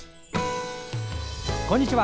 こんにちは。